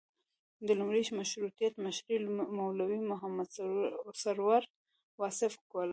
د لومړي مشروطیت مشري مولوي محمد سرور واصف کوله.